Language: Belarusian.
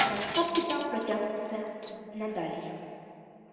Раскопкі там працягнуцца надалей.